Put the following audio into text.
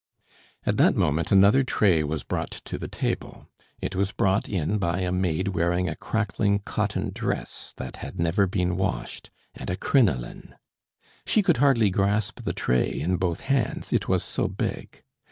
At that moment another tray was brought to the table; it was brought in by a maid wearing a crackling cotton dress that had never been washed, and a crinoline. She could hardly grasp the tray in both hands, it was so big.